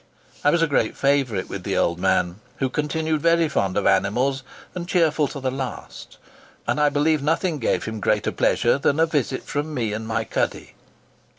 I was a great favourite with the old man, who continued very fond of animals, and cheerful to the last; and I believe nothing gave him greater pleasure than a visit from me and my cuddy."